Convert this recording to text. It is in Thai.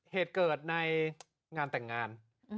เหตุเกิดในงานแต่งงาน